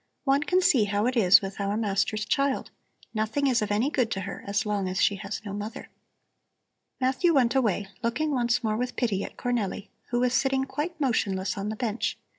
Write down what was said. One can see how it is with our master's child; nothing is of any good to her as long as she has no mother." Matthew went away, looking once more with pity at Cornelli, who was sitting quite motionless on the bench.